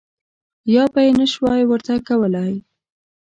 یا به یې نه شوای ورته کولای.